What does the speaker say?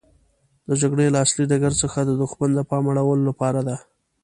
د جګړې له اصلي ډګر څخه د دښمن د پام اړولو لپاره ده.